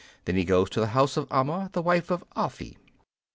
Then he goes to the house of Amma, the wife of Afi.